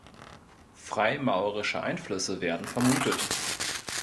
Freimaurerische Einflüsse werden vermutet.